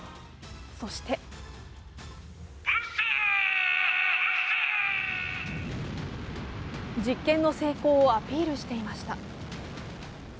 そして実験の成功をアピールしていました。